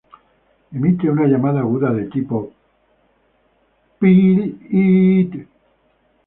Emite una llamada aguda de tipo "pii-iit".